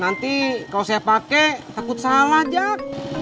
nanti kalau saya pakai takut salah jak